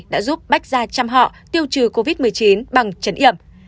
đã giúp bách ra trăm họ tiêu trừ covid một mươi chín bằng chấn yểm